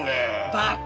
バカ！